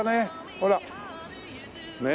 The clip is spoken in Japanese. ほらねっ。